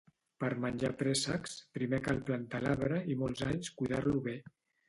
Per menjar préssecs primer cal plantar l'arbre i molts anys cuidar-lo bé